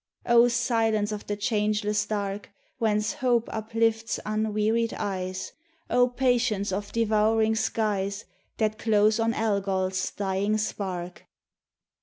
O silence of the changeless dark Whence Hope uplifts unwearied eyes! O patience of devouring skies That close on Algol's dying spark!